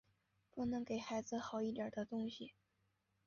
不能给孩子好一点的东西